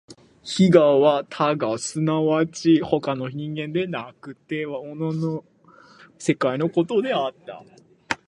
非我は他我即ち他の人間でなくて物の世界のことであった。